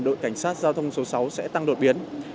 đội cảnh sát giao thông số sáu sẽ tăng đột biến